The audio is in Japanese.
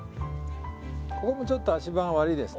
ここもちょっと足場が悪いですね。